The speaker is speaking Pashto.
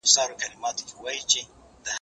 زه پرون کتاب وليکه!؟